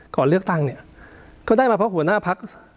ก่อนเลือกตั้งเนี่ยก็ได้มาเพราะหัวหน้าพัก